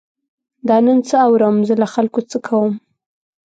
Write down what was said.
دا نن څه اورم، زه له خلکو څه کوم.